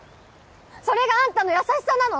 それがアンタの優しさなの？